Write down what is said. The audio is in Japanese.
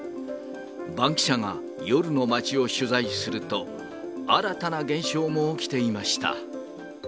バンキシャが、夜の街を取材すると、新たな現象も起きていました。